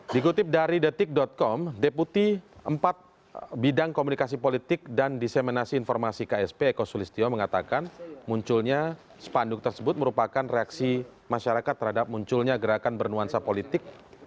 dikutip dari detik com deputi empat bidang komunikasi politik dan diseminasi informasi ksp eko sulistyo mengatakan munculnya spanduk tersebut merupakan reaksi masyarakat terhadap munculnya gerakan bernuansa politik